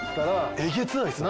えげつないっすね！